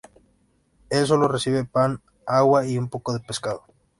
Él solo recibe pan, agua, y un poco de pescado.